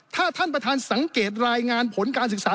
ถ้าท่านประธานสังเกตรายงานผลการศึกษา